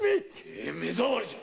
ええい目障りじゃ！